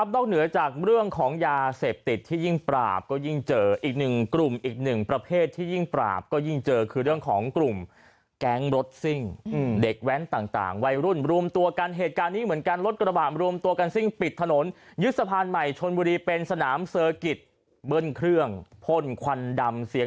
นอกเหนือจากเรื่องของยาเสพติดที่ยิ่งปราบก็ยิ่งเจออีกหนึ่งกลุ่มอีกหนึ่งประเภทที่ยิ่งปราบก็ยิ่งเจอคือเรื่องของกลุ่มแก๊งรถซิ่งเด็กแว้นต่างวัยรุ่นรวมตัวกันเหตุการณ์นี้เหมือนกันรถกระบาดรวมตัวกันซิ่งปิดถนนยึดสะพานใหม่ชนบุรีเป็นสนามเซอร์กิจเบิ้ลเครื่องพ่นควันดำเสียง